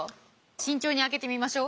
慎重に開けてみましょう。